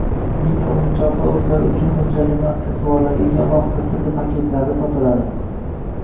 Mini-o‘yinchoqlar o‘zlari uchun mo‘ljallangan aksessuarlarga ega alohida “sirli” paketlarda sotiladi